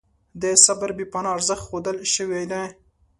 د صبر بې پناه ارزښت ښودل شوی دی.